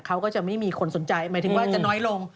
เขาก็จะไม่มีคนสนใจหมายถึงว่าจะน้อยลง